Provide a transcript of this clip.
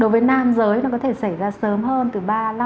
đối với nam giới nó có thể xảy ra sớm hơn từ ba năm ba bảy